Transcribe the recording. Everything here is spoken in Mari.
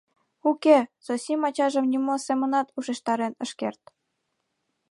Уке, Зосим ачажым нимо семынат ушештарен ыш керт.